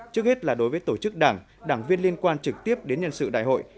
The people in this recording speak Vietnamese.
trước hết là đối với tổ chức đảng đảng viên liên quan trực tiếp đến nhân sự đại hội